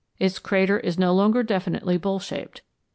Its crater is no longer definitely bowl shaped.